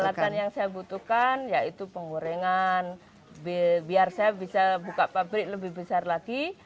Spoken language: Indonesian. peralatan yang saya butuhkan yaitu penggorengan biar saya bisa buka pabrik lebih besar lagi